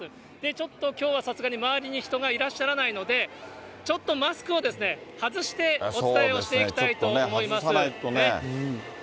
ちょっときょうはさすがに周りに人がいらっしゃらないので、ちょっとマスクを外してお伝えをしていきたいと思います。